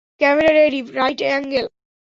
Camera ready, right angle.